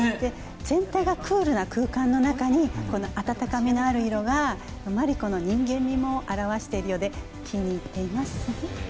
全体がクールな空間の中にこの温かみのある色がマリコの人間味も表しているようで気に入っています。